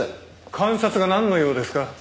監察がなんの用ですか？